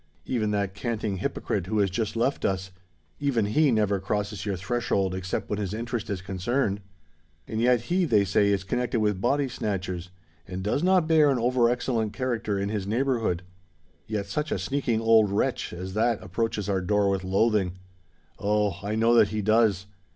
Even that canting hypocrite who has just left us—even he never crosses your threshold except when his interest is concerned;—and yet he, they say, is connected with body snatchers, and does not bear an over excellent character in his neighbourhood. Yet such a sneaking old wretch as that approaches our door with loathing—Oh! I know that he does!